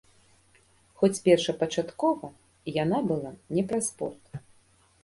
Хоць першапачаткова яна была не пра спорт.